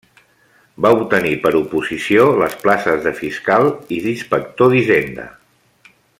Va obtenir per oposició les places de Fiscal i d'Inspector d'Hisenda.